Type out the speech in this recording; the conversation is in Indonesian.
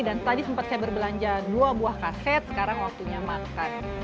dan tadi sempat saya berbelanja dua buah kaset sekarang waktunya makan